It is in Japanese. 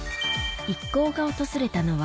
一行が訪れたのは